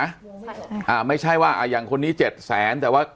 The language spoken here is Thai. อ่าไม่ใช่ว่าอ่าอย่างคนนี้เจ็ดแสนแต่ว่า